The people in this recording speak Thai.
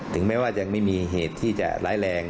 แม้ว่าจะไม่มีเหตุที่จะร้ายแรง